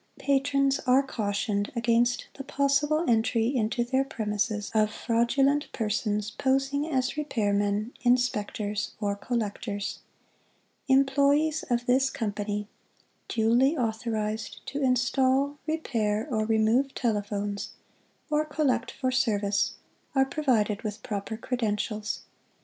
la Patrons are Cautioned against the possible entry into their premises of Fraudulent Persons posing as Repairmen, Inspectors or Collectors. Employees of this Company, duly authorized to install, repair or remove telephones, or collect for service, are provided with proper credentials.